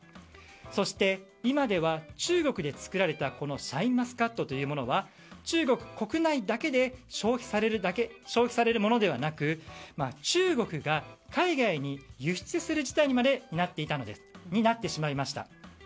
そして、今では、中国で作られたシャインマスカットというものは中国国内だけで消費されるものではなく中国が海外に輸出する事態になってしまいました。